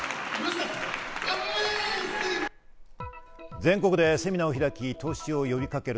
全国でセミナーを開き投資を呼びかける